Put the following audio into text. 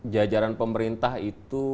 jajaran pemerintah itu